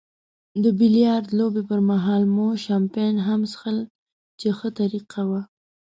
د بیلیارډ لوبې پرمهال مو شیمپین هم څیښل چې ښه طریقه وه.